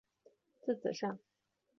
字子上。